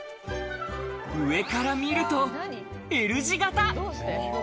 上から見ると、Ｌ字型。